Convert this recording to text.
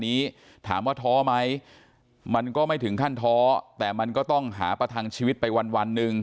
นี้ถามว่าเถามั้ยมันไม่ถึงขั้นเทาะแต่มันก็ต้องหาประทังชีวิตไปวันนึง